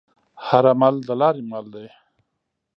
هر عمل دلارې مل دی.